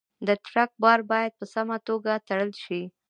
د ټرک بار باید په سمه توګه تړل شي.